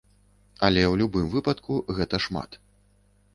Але ў любым выпадку гэта шмат.